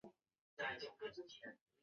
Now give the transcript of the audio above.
陈奇的作品以人物画和油画见长。